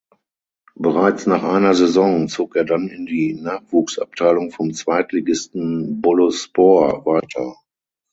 Bereits nach einer Saison zog er dann in die Nachwuchsabteilung vom Zweitligisten Boluspor weiter.